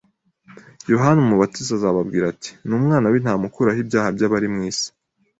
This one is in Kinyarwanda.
Yohana Umubatiza azababwira ati: Ni Umwana w'intama ukuraho ibyaha by'abari mu isi.